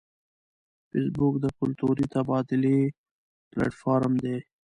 فېسبوک د کلتوري تبادلې پلیټ فارم دی